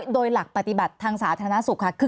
โดยหลักปฏิบัติทางสาธารณสุขค่ะ